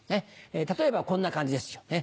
例えばこんな感じですよ。